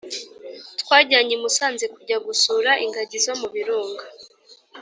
twajyanye I musanze kujya gusura ingagi zo mubirunga